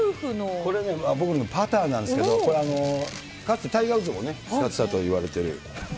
これね、僕のパターなんですけども、これ、かつてタイガー・ウッズも使ってたといわれている。